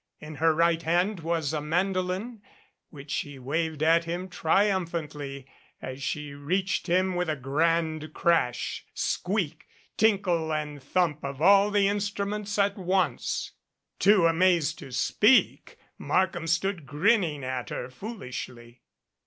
In her right hand was a mandolin which she waved at him triumphantly as she reached him with a grand crash, squeak, tinkle and thump of all the instru ments at once. 121 MADCAP Too amazed to speak, Markham stood grinning at her foolishly